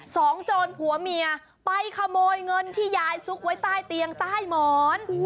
โจรผัวเมียไปขโมยเงินที่ยายซุกไว้ใต้เตียงใต้หมอน